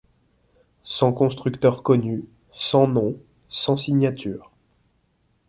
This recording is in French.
Sans constructeurs connus, sans noms, sans signatures